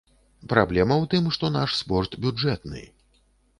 Праблема ў тым, што наш спорт бюджэтны.